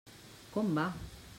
Com va?